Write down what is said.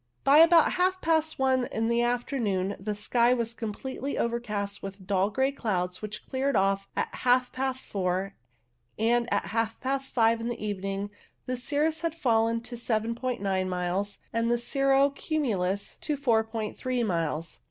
By about half past one in the afternoon the sky was completely overcast with dull grey clouds, which cleared off at half past four, and at half past five in the evening the cirrus had fallen to 7*9 miles, and the cirro cumulus to 4*3 miles.